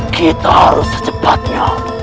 kita harus secepatnya